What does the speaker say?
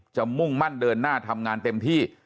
มุ่งมั่นเดินหน้าทำงานเต็มที่